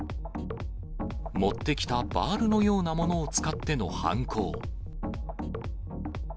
持ってきたバールのようなものを使っての犯行。